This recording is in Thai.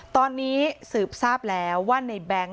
ตอนนี้สืบทราบแล้วว่าในแบงค์